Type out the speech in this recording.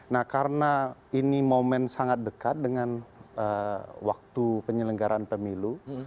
nah karena ini momen sangat dekat dengan waktu penyelenggaraan pemilu